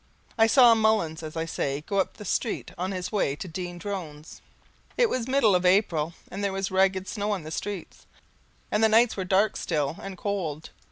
I saw Mullins, as I say, go up the street on his way to Dean Drone's. It was middle April and there was ragged snow on the streets, and the nights were dark still, and cold.